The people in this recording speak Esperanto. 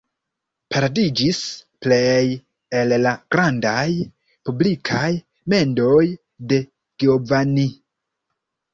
Perdiĝis plej el la grandaj publikaj mendoj de Giovanni.